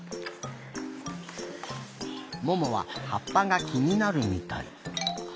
ももははっぱがきになるみたい。